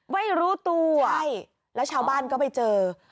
ไม่รู้ตัวใช่แล้วชาวบ้านก็ไปเจอ